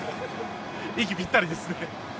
息ぴったりですね。